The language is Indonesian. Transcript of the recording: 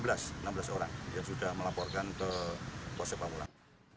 yang sudah melaporkan ke kapolsek pamulang